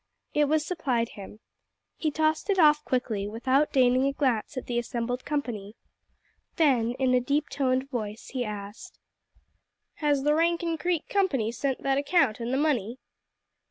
It was supplied him. He tossed it off quickly, without deigning a glance at the assembled company. Then in a deep toned voice he asked "Has the Rankin Creek Company sent that account and the money?"